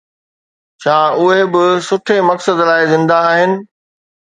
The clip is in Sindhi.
ڇا اهي به ڪنهن سٺي مقصد لاءِ زنده آهن؟